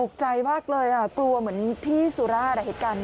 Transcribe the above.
ตกใจมากเลยกลัวเหมือนที่สุราชเหตุการณ์นี้